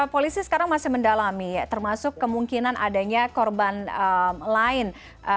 polisi sekarang masih mendalami termasuk kemungkinan adanya korban lain